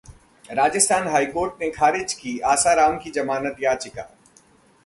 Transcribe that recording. Rajasthan high court ने खारिज की आसाराम की जमानत याचिका